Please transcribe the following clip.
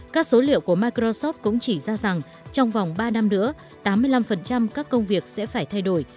các số liệu của microsoft cũng chỉ ra rằng trong vòng ba năm nữa tám mươi năm các công việc sẽ phải thay đổi